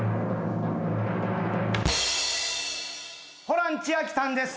ホラン千秋さんです。